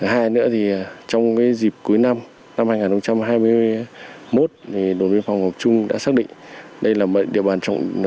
hai nữa thì trong dịp cuối năm năm hai nghìn hai mươi một đồn biên phòng ngọc trung đã xác định đây là địa bàn trọng